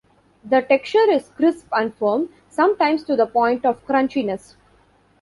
The texture is crisp and firm, sometimes to the point of crunchiness.